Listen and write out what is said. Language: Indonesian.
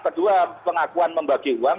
kedua pengakuan membagi uang